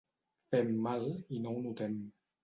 Fem mal i no ho notem.